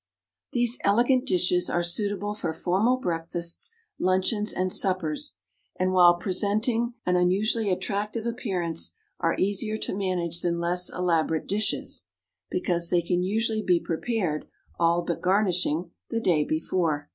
These elegant dishes are suitable for formal breakfasts, luncheons, and suppers, and while presenting an unusually attractive appearance, are easier to manage than less elaborate dishes, because they can usually be prepared, all but garnishing, the day before.